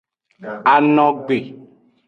Anogbe.